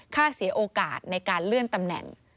เสียโอกาสในการเลื่อนตำแหน่ง